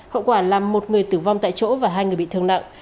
hậu quả làm một người tử vong tại chỗ và hai người bị thương nặng